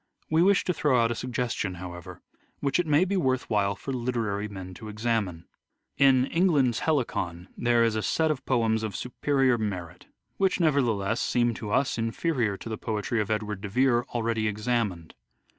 We wish to throw out a suggestion, however, which it may be worth while for literary men to examine. In " England's Helicon " there is a set of poems of superior merit, which, nevertheless, seem to us inferior to the poetry of Edward de Vere already examined.